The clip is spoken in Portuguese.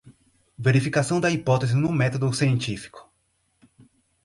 Verificação da hipótese no método científico